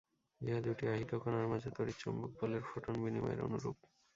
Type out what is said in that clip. ইহা দুটি আহিত কণার মাঝে তড়িৎ-চৌম্বক বলের ফোটন বিনিময়ের অনুরূপ।